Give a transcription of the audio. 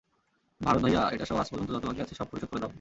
ভারত ভাইয়া, এটাসহ আজ পর্যন্ত যত বাকি আছে সব পরিশোধ করে দাও।